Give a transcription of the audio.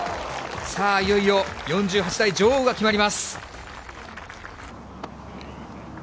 さあ、いよいよ４８代女王が決まります。